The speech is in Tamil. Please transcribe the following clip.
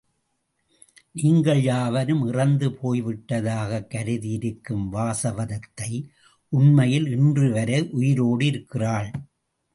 நீங்கள் யாவரும் இறந்து போய்விட்டதாகக் கருதியிருக்கும் வாசவதத்தை, உண்மையில் இன்றுவரை உயிரோடு இருக்கிறாள்.